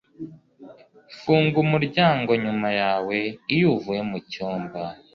Funga umuryango nyuma yawe iyo uvuye mucyumba